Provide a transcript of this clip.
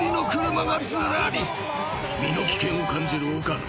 ［身の危険を感じる岡野］